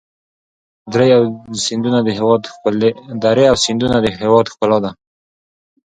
درې او سیندونه د هېواد ښکلا ده.